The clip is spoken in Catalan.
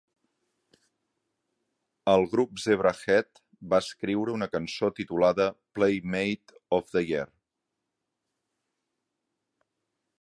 El grup Zebrahead va escriure una cançó titulada "Playmate of the Year".